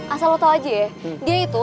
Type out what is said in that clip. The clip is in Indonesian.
asal lo tau aja ya dia itu